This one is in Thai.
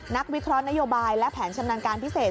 วิเคราะห์นโยบายและแผนชำนาญการพิเศษ